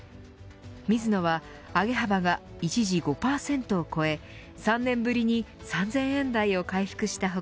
ミズノは上げ幅が一時５％を超え３年ぶりに３０００円台を回復した他